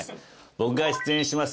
僕が出演します